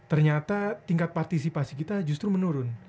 ternyata tingkat partisipasi kita justru menurun